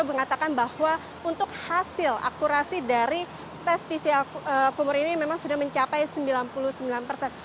mengatakan bahwa untuk hasil akurasi dari tes pcr kumur ini memang sudah mencapai sembilan puluh sembilan persen